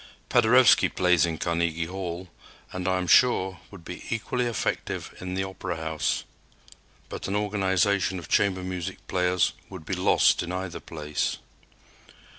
Paderewski plays in Carnegie Hall, and, I am sure, would be equally effective in the Opera House. But an organization of chamber music players would be lost in either place.